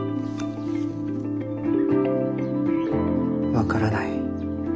分からない。